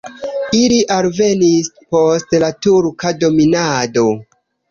Ili alvenis post la turka dominado.